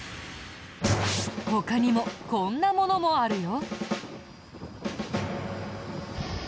他にもこんなものもあるよ。